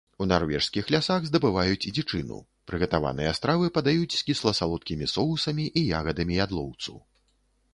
У нарвежскіх лясах здабываюць дзічыну, прыгатаваныя стравы падаюць з кісла-салодкімі соусамі і ягадамі ядлоўцу.